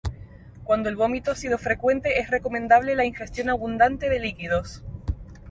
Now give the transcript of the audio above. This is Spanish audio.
Cuando el vómito ha sido frecuente es recomendable la ingestión abundante de líquidos.